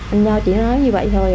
anh nho chỉ nói như vậy thôi